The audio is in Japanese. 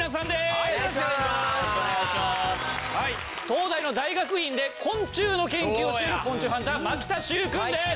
東大の大学院で昆虫の研究をしている昆虫ハンター牧田習君です。